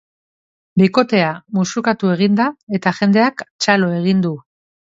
Bikotea musukatu egin da eta jendeak txalo egin du.